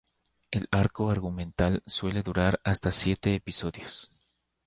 El Arco argumental suele durar hasta siete episodios.